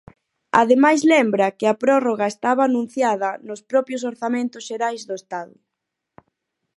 Ademais lembra que a prórroga estaba anunciada "nos propios orzamentos xerais do Estado".